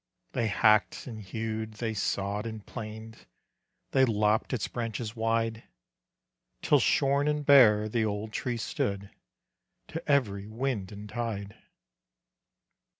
They hacked and hewed, they sawed and planed, They lopped its branches wide, Till shorn and bare the old tree stood To every wind and tide.